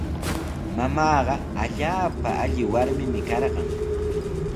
Mamaaqa allaapa alli warmimi karqan.